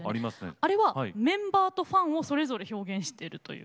あれはメンバーとファンをそれぞれ表現してるという。